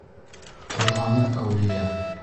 Торғаны әүлиә.